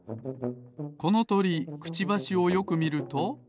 このとりクチバシをよくみると。